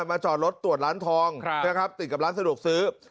จอดรถตรวจร้านทองนะครับติดกับร้านสะดวกซื้อ